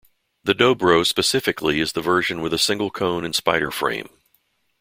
The Dobro specifically is the version with a single cone and spider frame.